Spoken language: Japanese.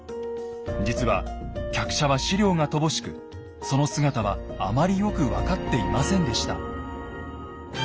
実は客車は史料が乏しくその姿はあまりよく分かっていませんでした。